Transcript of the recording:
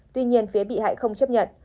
tuy nhiên phía bị hại không chấp nhận